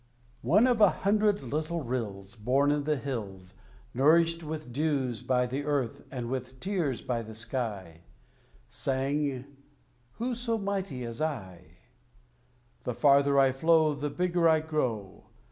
One of a hundred little rills Born in the hills, Nourished with dews by the earth, and with tears by the sky, Sang "Who so mighty as I? The farther I flow The bigger I grow.